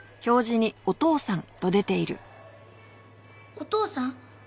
お父さん？